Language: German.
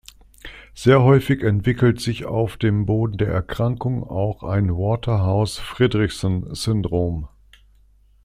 Sehr häufig entwickelt sich auf dem Boden der Erkrankung auch ein Waterhouse-Friderichsen-Syndrom.